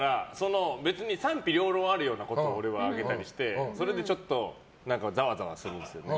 賛否両論あるようなことを俺は上げたりして、それでちょっとざわざわするんですよね。